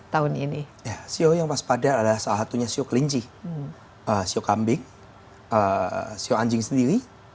tahun ini shio yang waspada adalah salah satunya shio kelinci shio kambing shio anjing sendiri